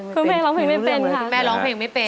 คุณแม่ร้องเพลงไม่เป็น